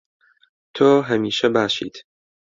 تۆ هەمیشە باشیت.